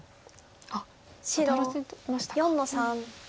あっワタらせましたか。